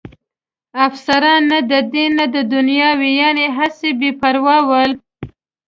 افسران نه د دین نه د دنیا وو، یعنې هسې بې پروا ول.